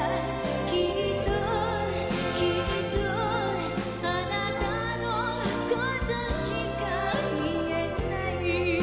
「きっときっとあなたのことしかみえない」